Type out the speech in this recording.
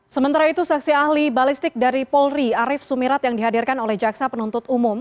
sementara itu saksi ahli balistik dari polri arief sumirat yang dihadirkan oleh jaksa penuntut umum